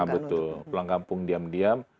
betul pulang kampung diam diam